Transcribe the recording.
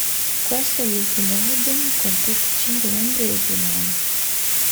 Questo è l'ultimo album con tutti i cinque membri originali.